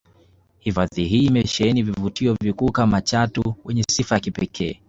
Hifadhi hii imesheheni vivutio vikuu kama chatu wenye sifa ya pekee